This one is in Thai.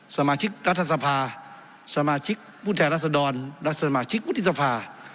สมาชิกรัฐสภาสมาชิกผู้แทนรัศดรและสมาชิกวุฒิสภา